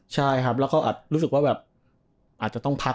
ใช่ครับแล้วก็อาจรู้สึกว่าแบบอาจจะต้องพัก